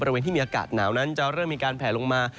บริเวณที่มีอากาศหนาวนั้นจะเริ่มมีการแผลลงมา